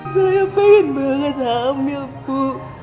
saya pengen banget ambil bu